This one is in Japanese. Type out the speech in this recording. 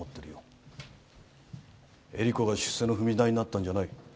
絵里子が出世の踏み台になったんじゃない。